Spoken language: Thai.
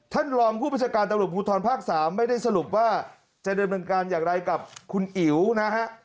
ท่านรองผู้ประชาการตำรวจภูทรภาค๓ไม่ได้สรุปว่าจะดำเนินการอย่างไรกับคุณอิ๋วนะฮะ